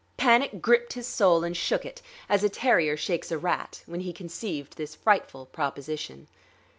Panic gripped his soul and shook it, as a terrier shakes a rat, when he conceived this frightful proposition.